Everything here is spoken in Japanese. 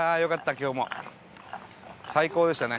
今日も最高でしたね